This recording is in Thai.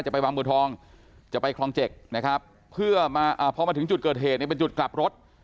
ไปบางบัวทองจะไปคลองเจ็กนะครับเพื่อมาพอมาถึงจุดเกิดเหตุเนี่ยเป็นจุดกลับรถ